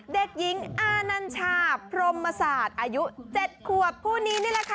เด็กหญิงอานัญชาพรมศาสตร์อายุ๗ขวบคู่นี้นี่แหละค่ะ